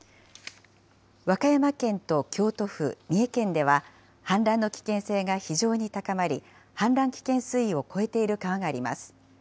和歌山県と京都府、三重県では、氾濫の危険性が非常に高まり、氾濫危険水位を超えている川があります。